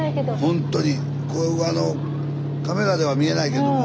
ほんとにカメラでは見えないけども。